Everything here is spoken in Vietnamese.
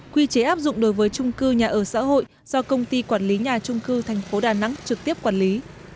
quy chế áp dụng đối với trung cư nhà ở xã hội do công ty quản lý nhà trung cư thành phố đà nẵng trực tiếp quản lý